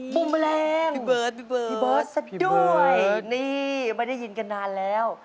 บุมแมลงพี่เบิร์ดสัดด้วยนี่ไม่ได้ยินกันนานแล้ว